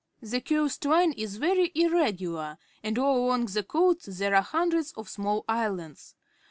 The coast line is very irregular, and all along the coast there are hundreds of small islands.